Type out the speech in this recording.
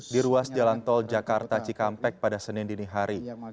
di ruas jalan tol jakarta cikampek pada senin dinihari